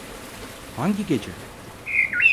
Hangi gece?